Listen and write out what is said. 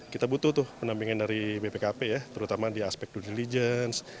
kita butuh tuh penampingan dari bpkp ya terutama di aspek due diligence